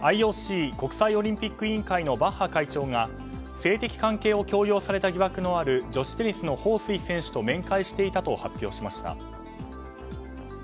ＩＯＣ・国際オリンピック委員会のバッハ会長が性的関係を強要された疑惑のある女子テニスのホウ・スイ選手と面会していたと発表しました。